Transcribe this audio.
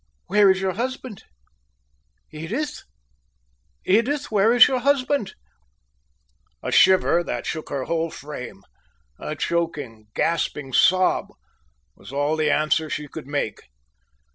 Where is your husband, Edith? Edith, where is your husband?" A shiver that shook her whole frame a choking, gasping sob, was all the answer she could make.